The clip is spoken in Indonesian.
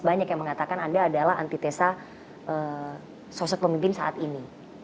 banyak yang mengatakan anda adalah antitesa sosok pemimpin saat ini